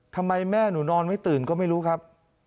ทำไมแม่หนูนอนไม่ตื่นก็ไม่รู้ครับ